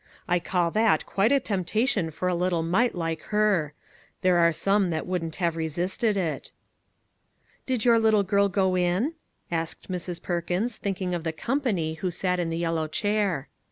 I call that quite a temptation for a little mite like 50 A GIRL OUT OF A BOOK " her; there are some that wouldn't have resisted it" " Did your little girl go in ?" asked Mrs. Perkins, thinking of the " company " who sat in the yellow chair.